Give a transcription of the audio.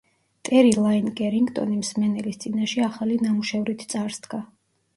ტერი ლაინ კერინგტონი მსმენელის წინაშე ახალი ნამუშევრით წარსდგა.